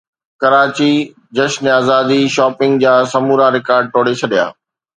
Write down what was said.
ڪراچي جشنزادي شاپنگ جا سمورا رڪارڊ ٽوڙي ڇڏيا